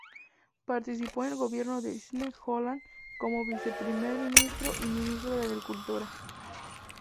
Participó en el gobierno de Sidney Holland como viceprimer ministro y ministro de Agricultura.